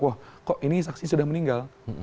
wah kok ini saksi sudah meninggal